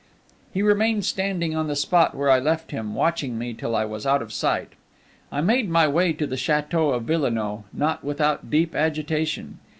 He remained standing on the spot where I left him, watching me till I was out of sight. I made my way to the chateau of Villenoix, not without deep agitation.